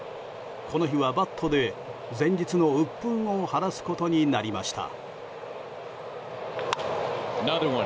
この日はバットで前日のうっぷんを晴らすことになりました。